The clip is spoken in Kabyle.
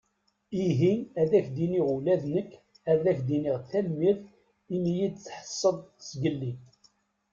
Ihi ad ak-d-iniɣ ula d nekk ad ak-d-iniɣ tanmirt imi iyi-d-tḥesseḍ zgelli.